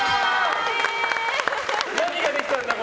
何ができたんだ？